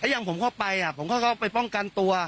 อย่างผมเข้าไปผมเข้าไปป้องกันตัว